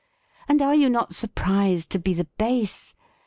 And are you not surprised to be the base?